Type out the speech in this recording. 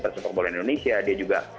tercukup oleh indonesia dia juga